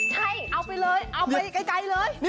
ใช่เอาไปเลยเอาไปไกลเลย